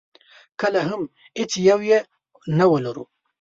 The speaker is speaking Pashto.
کله هم هېڅ یو یې نه ولرو.